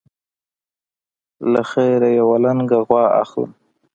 له خیره یوه لنګه غوا اخلم.